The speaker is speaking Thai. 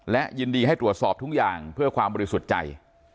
และยินดีให้ตรวจสอบทุกอย่างเพื่อความบริสุทธิ์ใจ